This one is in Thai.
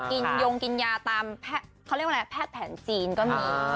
กินโยงกินยาตามแพทย์แผนจีนก็มี